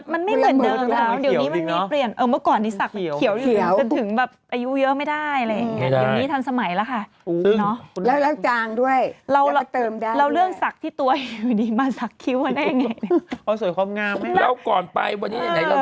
มันไม่เหมือนเดิมแล้วเดี๋ยวนี้มันมีเปลี่ยน